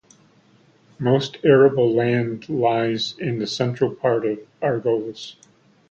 Most arable land lies in the central part of Argolis.